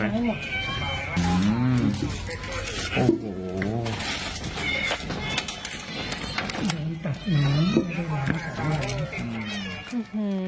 ต้องย้ายไปหมดเลย